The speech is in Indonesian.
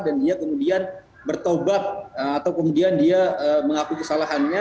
dan dia kemudian bertobat atau kemudian dia mengaku kesalahannya